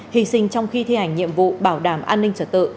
hy sinh trong khi thi hành nhiệm vụ bảo đảm an ninh trật tự